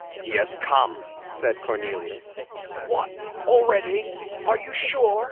"He has come," said Cornelius. "What? Already? Are you sure?"